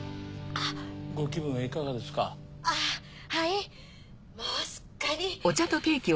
あっはいもうすっかり。